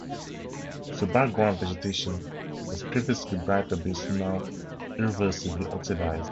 The background vegetation was previously brighter but is now irreversibly oxidized.